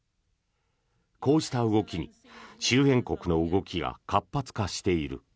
こうした動きに周辺国の動きが活発化している。